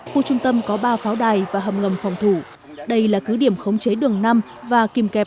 khu trung tâm có ba pháo đài và hầm ngầm phòng thủ đây là cứ điểm khống chế đường năm và kìm kẹp